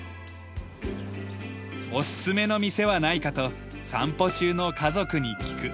おすすめの店はないかと散歩中の家族に聞く。